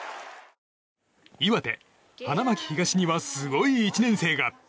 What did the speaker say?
岩手・花巻東にはすごい１年生が。